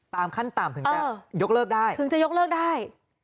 ขั้นต่ำถึงจะยกเลิกได้ถึงจะยกเลิกได้